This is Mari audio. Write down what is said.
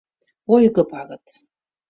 Ойго пагыт